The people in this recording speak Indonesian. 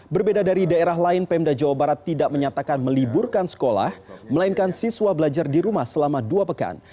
berbeda dari daerah lain pemda jawa barat tidak menyatakan meliburkan sekolah melainkan siswa belajar di rumah selama dua pekan